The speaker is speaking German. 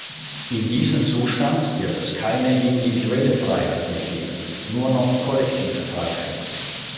In diesem Zustand wird es keine individuelle Freiheit mehr geben, nur noch kollektive Freiheit.